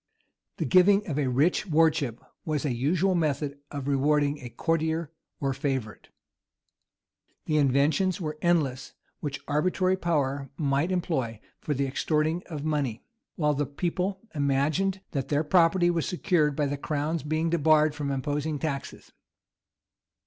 The giving of a rich wardship was a usual method of rewarding a courtier or favorite. The inventions were endless which arbitrary power might employ for the extorting of money, while the people imagined that their property was secured by the crown's being debarred from imposing taxes.